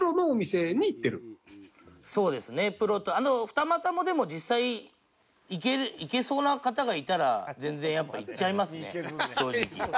二股もでも実際いけそうな方がいたら全然やっぱいっちゃいますね正直。